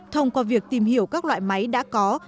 thông qua việc tìm hiểu các loại máy đã có